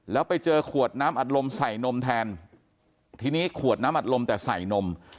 แล้วไปเจอขวดน้ำอัดลมใส่นมแทนทีนี้ขวดน้ำอัดลมแต่ใส่นม